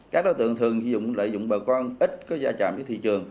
các đối tượng thường dùng lợi dụng bà con ít có gia trạm với thị trường